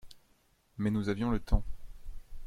Mais nous avions le temps.